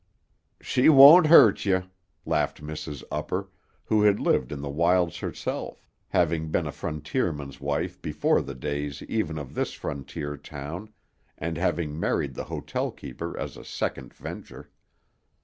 "She won't hurt ye," laughed Mrs. Upper, who had lived in the wilds herself, having been a frontierman's wife before the days even of this frontier town and having married the hotel keeper as a second venture.